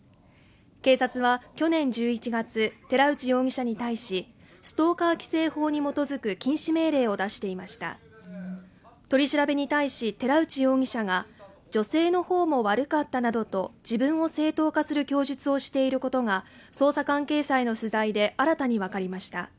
警察は去年１１月寺内容疑者に対しストーカー規制法に基づく禁止命令を出していました取り調べに対し寺内容疑者が女性の方も悪かったなどと自分を正当化する供述をしていることが捜査関係者への取材で新たに分かりました